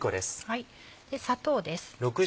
砂糖です。